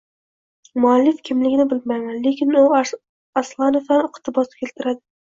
Muallif kimligini bilmayman, lekin u Aslanovdan iqtibos keltiradi: